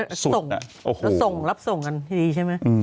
แล้วส่งรับส่งกันทีดีใช่ไหม